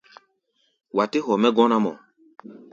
Wa tɛ́ hɔ mɛ́ gɔ́ná-mɔ.